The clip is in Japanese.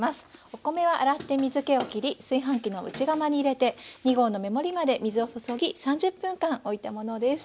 お米は洗って水けをきり炊飯器の内釜に入れて２合の目盛りまで水を注ぎ３０分間おいたものです。